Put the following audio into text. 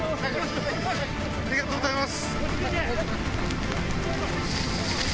ありがとうございます！